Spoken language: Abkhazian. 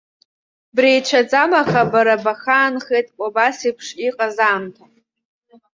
Бреицәаӡам, аха бара бахаанхеит убасеиԥш иҟаз аамҭа.